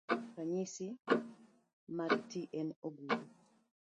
Ranyisi mag ti en ogudu .